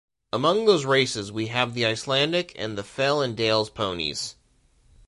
Among those races we have the Icelandic, and the Fell and Dales ponies.